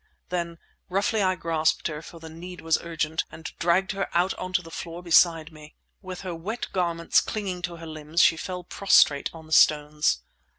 Then, roughly I grasped her, for the need was urgent—and dragged her out on to the floor beside me. With her wet garments clinging to her limbs, she fell prostrate on the stones.